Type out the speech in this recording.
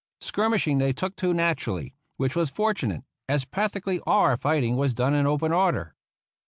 Skirmishing they took to naturally, which was fortunate, as practically all our fighting was done in open order.